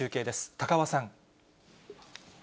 高和さん。